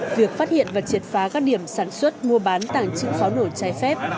việc phát hiện và triệt phá các điểm sản xuất mua bán tàng trứng pháo nổ cháy phép